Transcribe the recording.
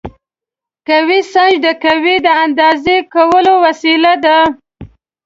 قوه سنج د قوې د اندازه کولو وسیله ده.